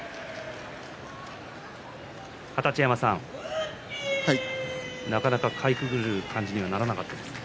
二十山さん、なかなかかいくぐる感じにはならなかったですね。